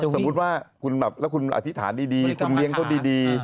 สมมุติว่าอธิษฐานดีคุณเลี้ยงเขาดี